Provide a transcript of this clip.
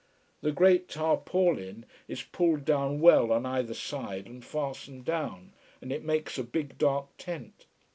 The great tarpaulin is pulled down well on either side and fastened down, and it makes a big dark tent.